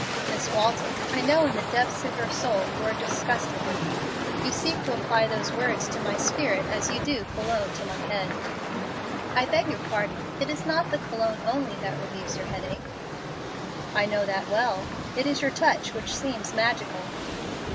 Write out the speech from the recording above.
"Miss Walton, I know in the depths of your soul you are disgusted with me. You seek to apply those words to my spirit as you do cologne to my head." "I beg your pardon. It is not the cologne only that relieves your headache." "I know that well. It is your touch, which seems magical."